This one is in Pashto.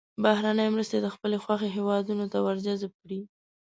بهرنۍ مرستې د خپلې خوښې هېوادونو ته ور جذب کړي.